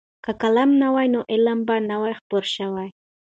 که قلم نه وای نو علم به نه وای خپور شوی.